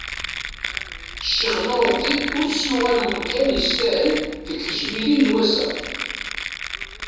Ccix Nurdin ur s-yuɣal umkan yestahel deg tejmilin n wassa.